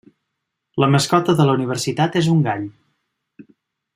La mascota de la universitat és un gall.